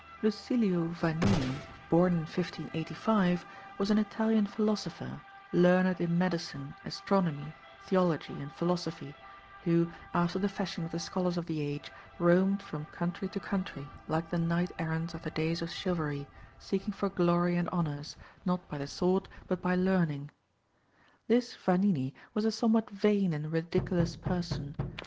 Lucilio Vanini, born in 1585, was an Italian philosopher, learned in medicine, astronomy, theology, and philosophy, who, after the fashion of the scholars of the age, roamed from country to country, like the knight errants of the days of chivalry, seeking for glory and honours, not by the sword, but by learning. This Vanini was a somewhat vain and ridiculous person.